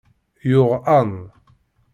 Yuɣ Ann.